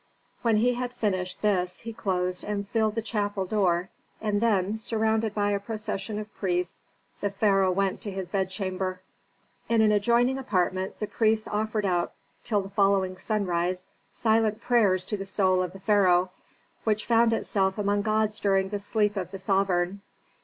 When he had finished this he closed and sealed the chapel door and then, surrounded by a procession of priests, the pharaoh went to his bedchamber. In an adjoining apartment the priests offered up, till the following sunrise, silent prayers to the soul of the pharaoh, which found itself among gods during the sleep of the sovereign.